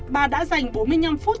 bà đã dành bốn mươi năm phút